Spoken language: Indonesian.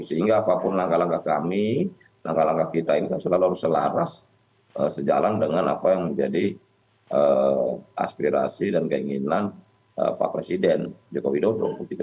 sehingga apapun langkah langkah kami langkah langkah kita ini selalu harus selaras sejalan dengan apa yang menjadi aspirasi dan keinginan pak presiden joko widodo